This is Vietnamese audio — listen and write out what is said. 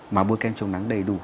mà mua kem chống nắng đầy đủ